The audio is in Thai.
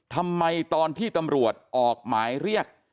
ทำไมตอนที่ตำรวจออกหมายเรียก